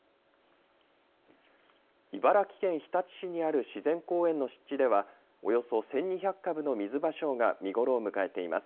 茨城県日立市にある自然公園の湿地ではおよそ１２００株のミズバショウが見頃を迎えています。